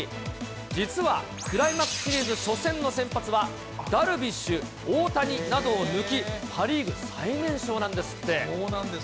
実は、クライマックスシリーズ初戦の先発は、ダルビッシュ、大谷などを抜き、パ・リーグ最年少なんですって。